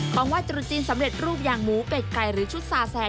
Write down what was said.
ว่าตรุษจีนสำเร็จรูปอย่างหมูเป็ดไก่หรือชุดซาแซ